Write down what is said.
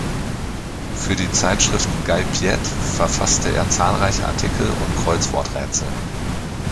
Für die Zeitschrift "Gai Pied" verfasste er zahlreiche Artikel und Kreuzworträtsel.